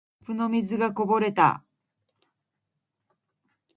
コップの水がこぼれた。